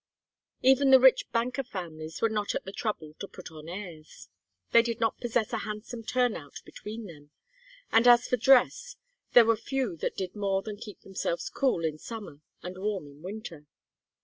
Even the rich banker families were not at the trouble to put on airs. They did not possess a handsome turnout between them, and as for dress there were few that did more than keep themselves cool in summer and warm in winter.